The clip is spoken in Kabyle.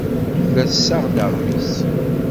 Tella tessaɣ-d aɣmis.